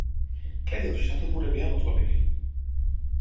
კედელში სათოფურებია მოწყობილი.